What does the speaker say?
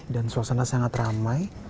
di sana sangat ramai